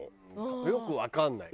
よくわかんないよ。